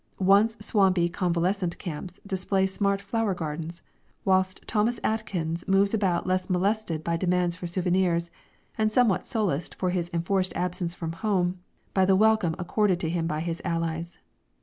Once swampy convalescent camps display smart flower gardens, whilst Thomas Atkins moves about less molested by demands for souvenirs, and somewhat solaced for his enforced absence from home by the welcome accorded to him by his Allies.